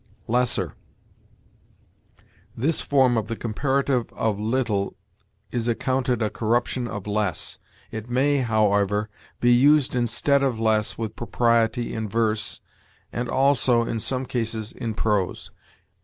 LESSER. This form of the comparative of little is accounted a corruption of less. It may, however, be used instead of less with propriety in verse, and also, in some cases, in prose.